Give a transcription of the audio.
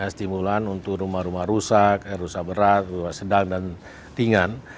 stimulan untuk rumah rumah rusak rusak berat rusak sedang dan ringan